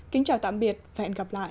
kính chào tạm biệt và hẹn gặp lại